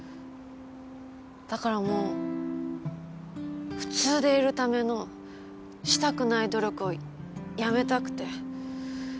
だからもう普通でいるためのしたくない努力をやめたくて。